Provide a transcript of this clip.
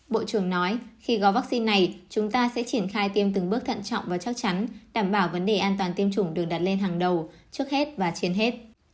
bộ trưởng nói khi gói vaccine này chúng ta sẽ triển khai tiêm từng bước thận trọng và chắc chắn đảm bảo vấn đề an toàn tiêm chủng được đặt lên hàng đầu trước hết và trên hết